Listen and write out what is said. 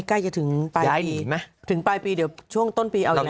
ใกล้จะถึงปลายปีถึงปลายปีเดี๋ยวช่วงต้นปีเอาอีกแล้ว